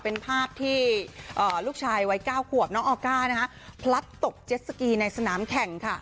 เป็นภาพที่ลูกชายวัย๙ขวบน้องออก้านะคะพลัดตกเจ็ดสกีในสนามแข่งค่ะ